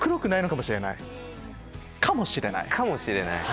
かもしれない？